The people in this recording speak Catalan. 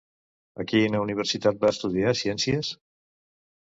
A quina universitat va estudiar ciències?